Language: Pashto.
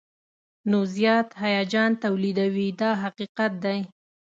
نو زیات هیجان تولیدوي دا حقیقت دی.